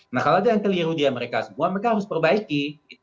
nah kalau ada yang keliru dia mereka semua mereka harus perbaiki